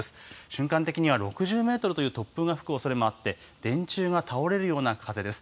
瞬間的には６０メートルという突風が吹くおそれもあって、電柱が倒れるような風です。